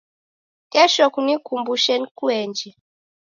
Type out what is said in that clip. Kesho kunikumbushe nikuenje